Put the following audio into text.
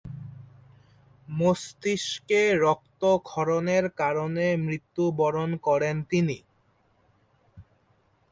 মস্তিষ্কে রক্তক্ষরণের কারণে মৃত্যু বরণ করেন তিনি।